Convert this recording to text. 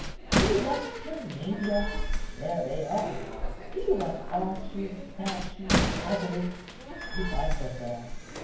Do you want gymnasia? there they are. Do you want arches, statues, obelisks? you find them there.